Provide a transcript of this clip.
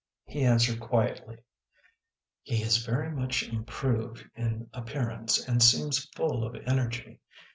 He answered quietly :" He is very much improved in appearance and seems full of energy.